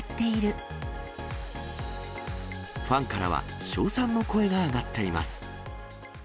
ファンからは称賛の声が上がっています。